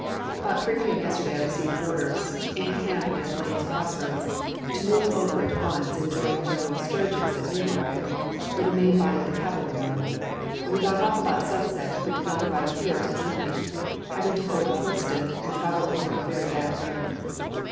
About 3 P.M. yesterday I received orders (in camp near Blain's Cross Roads) to move over at once and join General Sturgis at New Market, where the main body of the cavalry are. We got off about sunset, but did not arrive here till midnight, having to ford the Holston and travel over a very bad road.